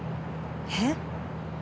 えっ！？